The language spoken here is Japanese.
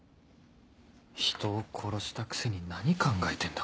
人を殺したくせに何考えてんだ？